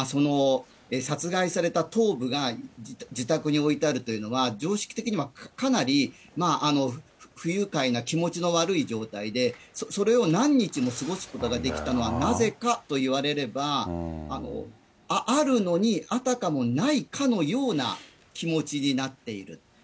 殺害された頭部が自宅に置いてあるというのは、常識的にはかなり不愉快な気持ちの悪い状態で、それを何日も過ごすことができたのはなぜかと言われれば、あるのにあたかもないかのような気持ちになっている。